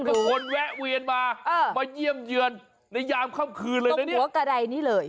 ก็คนแวะเวียนมามาเยี่ยมเยือนในยามค่ำคืนเลยนะเนี่ย